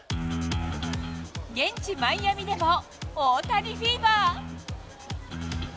現地、マイアミでも大谷フィーバー。